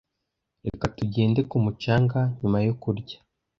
Reka tugende ku mucanga nyuma yo kurya.